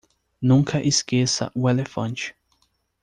Nunca esqueça o elefante.